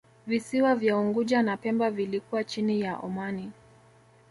Visiwa vya Unguja na Pemba vilikuwa chini ya Omani